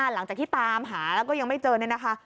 หลังจากที่ตามหาแล้วก็ยังไม่เจอเนี่ยนะคะ